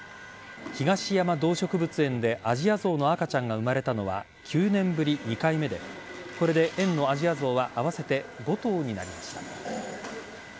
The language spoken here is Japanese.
東山動植物園でアジアゾウの赤ちゃんが生まれたのは９年ぶり２回目でこれで園のアジアゾウは合わせて５頭になりました。